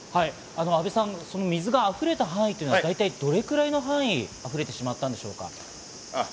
阿部さん、水が溢れた範囲というのは大体どれぐらいの範囲に溢れてしまったんでしょうか？